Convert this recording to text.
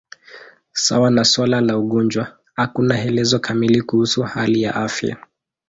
Sawa na suala la ugonjwa, hakuna elezo kamili kuhusu hali ya afya.